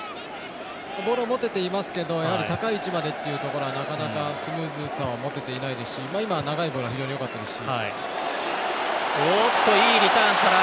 ボールを持てていますけどやはり、高い位置までっていうところまではなかなかスムーズさをもてていないですし今は長いボールが非常によかったですし。